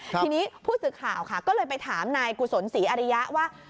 ทีนี้ผู้สื่อข่าวค่ะก็เลยไปถามนายกุศลศรีอริยะว่า